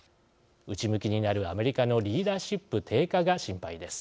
内向きになるアメリカのリーダーシップ低下が心配です。